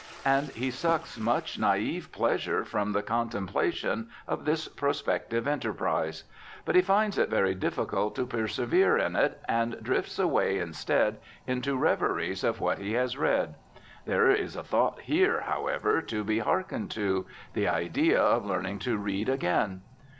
And he sucks much naive pleasure from the contemplation of this prospective enterprise; but he finds it very difficult to persevere in it, and drifts away instead into reveries of what he has read. There is a thought here, however, to be hearkened to: the idea of learning to read again.